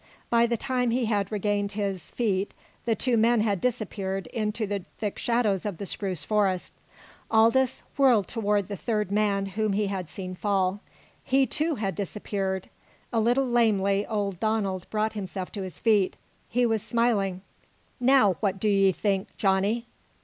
By the time he had regained his, feet the two men had disappeared into the thick shadows of the spruce forest. Aldous whirled toward the third man, whom he had seen fall. He, too, had disappeared. A little lamely old Donald brought himself to his feet. He was smiling. "Now, what do 'ee think, Johnny?"